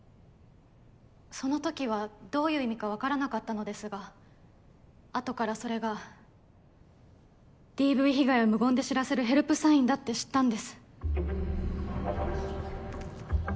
そのときはどういう意味か分からなかったのですがあとからそれがＤＶ被害を無言で知らせるヘルプサインだって知ったんです。